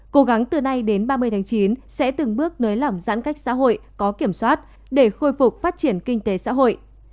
cố gắng từ nay đến ba mươi tháng chín sẽ từng bước nới lỏng giãn cách xã hội có kiểm soát để khôi phục phát triển kinh tế xã hội